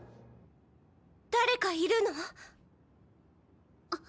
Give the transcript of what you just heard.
誰かいるの？